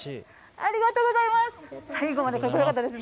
ありがとうございます。